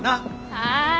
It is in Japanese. はい。